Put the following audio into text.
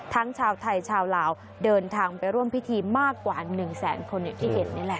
ทั้งชาวไทยชาวเหล่าเดินทางไปร่วมพิธีมากกว่า๑๐๐๐๐๐คนที่เห็นนี่แหละ